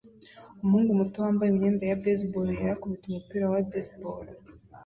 Umuhungu muto wambaye imyenda ya baseball yera akubita umupira wa baseball